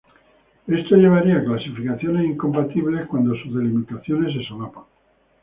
Esto llevaría a clasificaciones incompatibles, cuando sus delimitaciones se solapan.